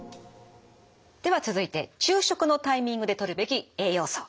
では続いて昼食のタイミングでとるべき栄養素。